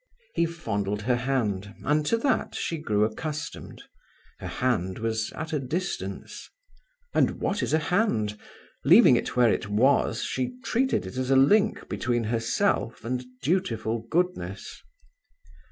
He fondled her hand, and to that she grew accustomed; her hand was at a distance. And what is a hand? Leaving it where it was, she treated it as a link between herself and dutiful goodness.